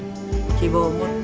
希望を持って。